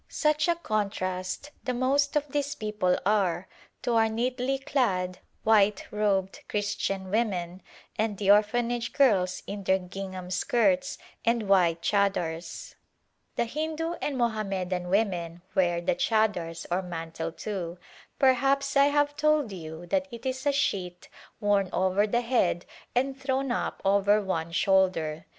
Such a contrast the most of these people are to our neatly clad, white robed Christian women and the Orphanage girls in their gingham skirts and white chadars. The Hindu and Mohammedan women wear the chadars or mantle, too. Perhaps I have told you that it is a sheet worn over the head and thrown up over one shoulder.